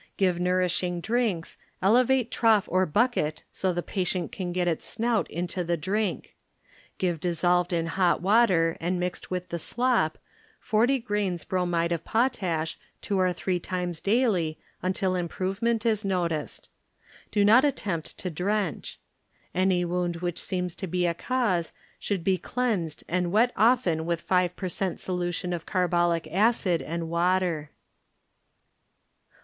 Give nourishii^ drinks, elevate trough or budcet so the patient can get its snout into the drink ; give dissolved in hot water and mixed with the slop forty grains bromide of potash two or three times daily until im provement is noticed. Do not attempt to drench. Any wound which seems to be a cause should be cleansed and wet often with five per cent, solution of car bolic acid and water.